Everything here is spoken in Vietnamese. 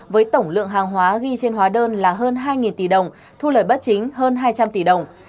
với tổng lượng hàng hóa ghi trên hóa đơn là hơn hai tỷ đồng thu lời bất chính hơn hai trăm linh tỷ đồng